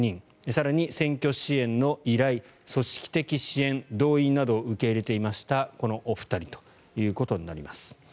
更に、選挙支援の依頼組織的支援動員などを受け入れていましたこのお二人ということになります。